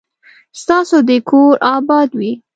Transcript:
ستاسو دي کور اباد وي